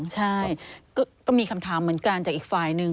ใช่ก็มีคำถามเหมือนกันจากอีกฝ่ายหนึ่ง